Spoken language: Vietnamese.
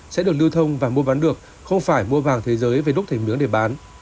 sẽ được lưu thông và mua bán được không phải mua vàng thế giới về đúc thành miếng để bán